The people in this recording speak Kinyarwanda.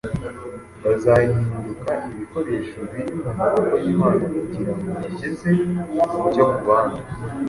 bazahinduka ibikoresho biri mu maboko y’Imana kugira ngo bageze umucyo ku bandi.